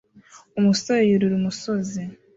Umusore yurira umusozi